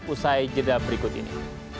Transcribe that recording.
usai jeda berikut ini